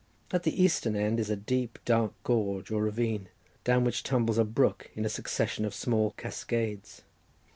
At the eastern end is a deep, dark gorge, or ravine, down which tumbles a brook in a succession of small cascades.